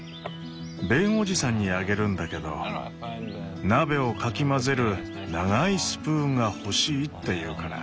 ベン叔父さんにあげるんだけど「鍋をかき混ぜる長いスプーンが欲しい」って言うから。